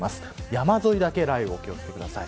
山沿いだけ雷雨にお気を付けください。